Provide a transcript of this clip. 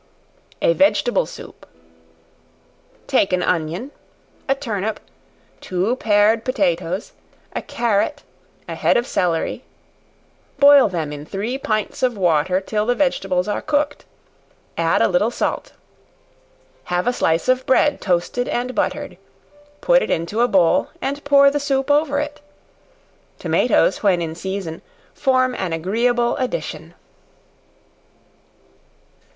A Vegetable Soup. Take an onion, a turnip, two pared potatoes, a carrot, a head of celery; boil them in three pints of water till the vegetables are cooked; add a little salt; have a slice of bread toasted and buttered, put it into a bowl, and pour the soup over it. Tomatoes when in season form an agreeable addition.